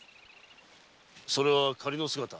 それは仮の姿。